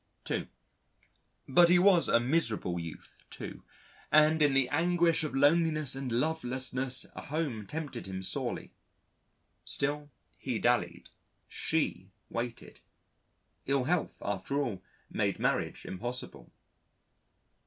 (2) But he was a miserable youth, too, and in the anguish of loneliness and lovelessness a home tempted him sorely. Still, he dallied. She waited. Ill health after all made marriage impossible.